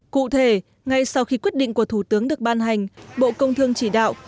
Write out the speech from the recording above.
cụ thể ngay sau khi quyết định của thủ tướng được ban hành bộ công thương chỉ đạo